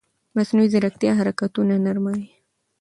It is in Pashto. مصنوعي ځیرکتیا حرکتونه نرموي.